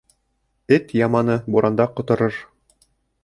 Эт яманы буранда ҡоторор.